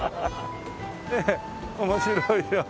ねえ面白いよ。